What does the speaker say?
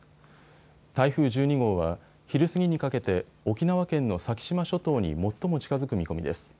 台風１２号は、昼過ぎにかけて沖縄県の先島諸島に最も近づく見込みです。